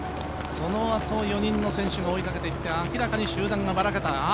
そのあと４人の選手が追いかけていって明らかに集団がばらけた。